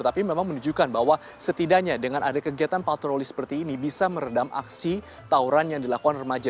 tapi memang menunjukkan bahwa setidaknya dengan ada kegiatan patroli seperti ini bisa meredam aksi tawuran yang dilakukan remaja